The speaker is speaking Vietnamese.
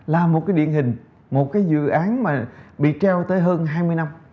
là một cái điện hình một cái dự án mà bị treo tới hơn hai mươi năm